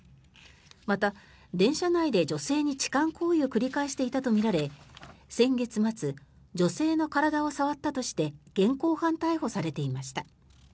また、電車内で女性に痴漢行為を繰り返していたとみられ先月末、女性の体を触ったとして現行犯逮捕されていました。